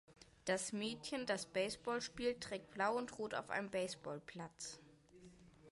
Das Mädchen, das Baseball spielt, trägt Blau und Rot auf einem Baseballplatz.